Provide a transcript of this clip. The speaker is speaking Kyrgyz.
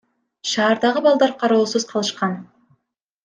Шаардагы балдар кароосуз калышкан.